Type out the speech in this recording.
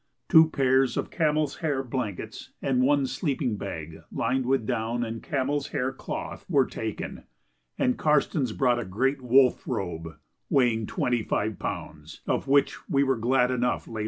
Two pairs of camel's hair blankets and one sleeping bag lined with down and camel's hair cloth were taken, and Karstens brought a great wolf robe, weighing twenty five pounds, of which we were glad enough later on.